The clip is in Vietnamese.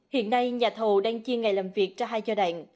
hiện nay nhà thầu đang chia ngày làm việc ra hai giai đoạn